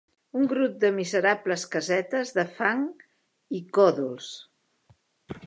Un grup de miserables casetes de fang i còdols